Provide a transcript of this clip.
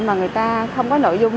mà người ta không có nội dung